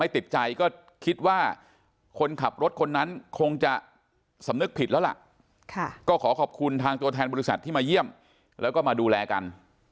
ที่มาเยี่ยมแล้วก็มาดูแลกัน